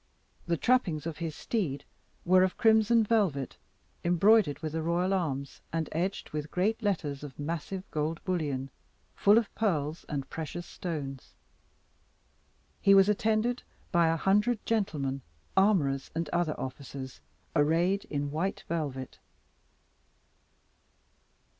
The trappings of his steed were of crimson velvet, embroidered with the royal arms, and edged with great letters of massive gold bullion, full of pearls and precious stones. He was attended by a hundred gentlemen, armourers, and other officers, arrayed in white velvet.